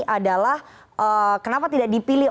adalah kenapa tidak dipilih